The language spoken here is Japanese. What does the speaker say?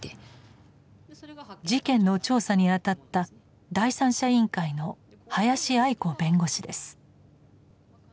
事件の調査にあたった第三者委員会の林亜衣子弁護士です。